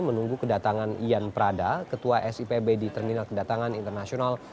menunggu kedatangan ian prada ketua sipb di terminal kedatangan internasional